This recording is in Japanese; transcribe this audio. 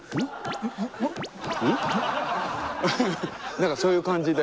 何かそういう感じで。